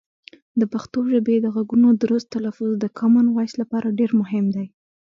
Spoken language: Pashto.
د پښتو ژبې د غږونو درست تلفظ د کامن وایس لپاره ډېر مهم دی.